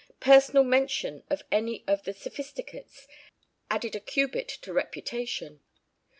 Personal mention of any of the Sophisticates added a cubit to reputation.